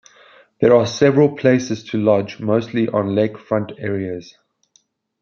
There are several places to lodge, mostly on lakefront areas.